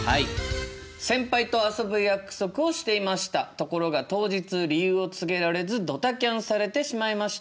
ところが当日理由を告げられずドタキャンされてしまいました。